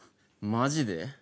マジで？